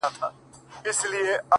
يې ياره شرموه مي مه ته هرڅه لرې ياره،